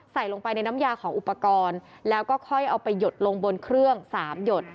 ใส่ลงไปในน้ำยาของอุปกรณ์แล้วก็ค่อยเอาไปหยดลงบนเครื่อง๓หยด